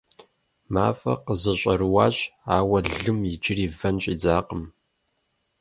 МафӀэр къызэщӀэрыуащ, ауэ лым иджыри вэн щӀидзакъым.